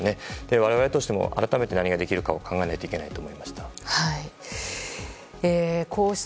我々としても改めて何ができるか考えなければと思いました。